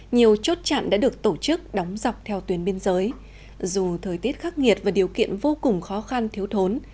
nhiều chốt chặn đã được tổ chức đóng dọc theo tuyến biên giới dù thời tiết khắc nghiệt và điều kiện vô cùng khó khăn thiếu thốn